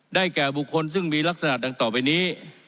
แก่บุคคลซึ่งมีลักษณะดังต่อไปนี้